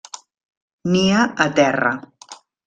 Nia a terra.